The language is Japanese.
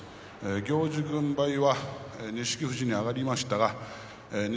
行司軍配は錦富士に上がりましたが錦